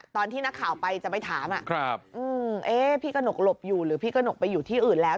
ตอนที่นักข่าวไปจะไปถามพี่กระหนกหลบอยู่หรือพี่กระหนกไปอยู่ที่อื่นแล้ว